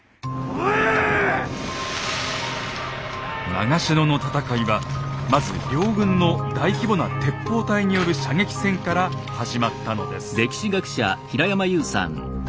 長篠の戦いはまず両軍の大規模な鉄砲隊による射撃戦から始まったのです。